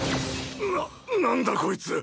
ななんだ？こいつ。